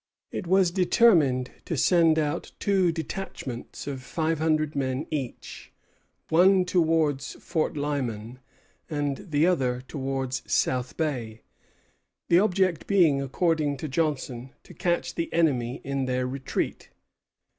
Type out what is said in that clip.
It was determined to send out two detachments of five hundred men each, one towards Fort Lyman, and the other towards South Bay, the object being, according to Johnson, "to catch the enemy in their retreat."